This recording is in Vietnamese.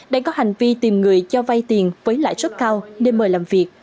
đang có hành vi tìm người cho vay tiền với lãi suất cao nên mời làm việc